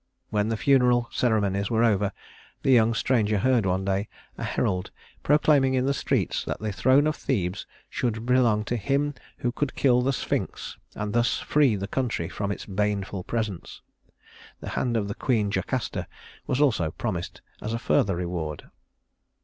When the funeral ceremonies were over, the young stranger heard one day a herald proclaiming in the streets that the throne of Thebes should belong to him who could kill the Sphinx and thus free the country from its baneful presence. The hand of the queen Jocasta was also promised as a further reward.